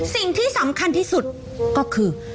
สิ่งที่สำคัญที่สุดก็คือ